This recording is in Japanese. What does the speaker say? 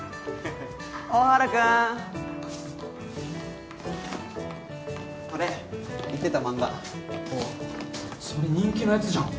大原君これ言ってた漫画ああそれ人気のやつじゃん